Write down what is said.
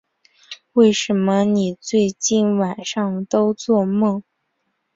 为什么你最近晚上都作梦